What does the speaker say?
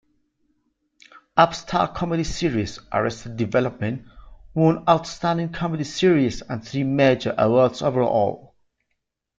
Upstart comedy series "Arrested Development" won Outstanding Comedy Series and three major awards overall.